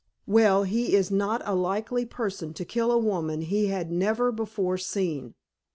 "Well, he is not a likely person to kill a woman he had never before seen.